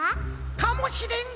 かもしれん！